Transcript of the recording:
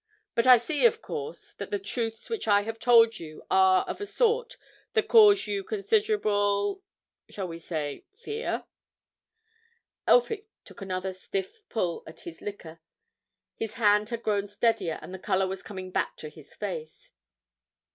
But I see, of course, that the truths which I have told you are of a sort that cause you considerable—shall we say fear?" Elphick took another stiff pull at his liquor. His hand had grown steadier, and the colour was coming back to his face.